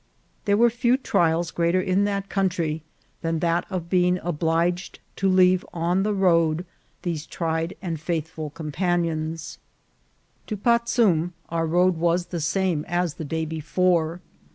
There were few trials greater in that country than that of being obliged to leave on the road these tried and faith ful companions. To Patzum our road was the same as the day before.